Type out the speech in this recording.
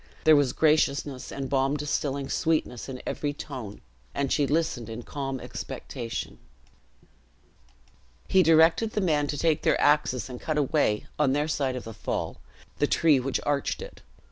There was graciousness and balm distilling sweetness in every tone; and she listened in calm expectation. He directed the men to take their axes, and cut away, on their side of the fall, the tree which arched it.